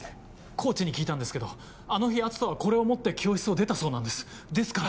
コーチに聞いたんですけどあの日篤斗はこれを持って教室を出たそうなんですですから。